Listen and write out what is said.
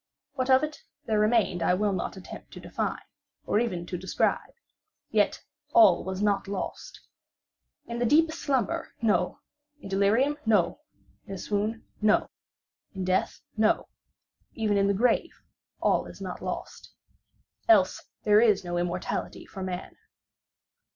What of it there remained I will not attempt to define, or even to describe; yet all was not lost. In the deepest slumber—no! In delirium—no! In a swoon—no! In death—no! even in the grave all is not lost. Else there is no immortality for man.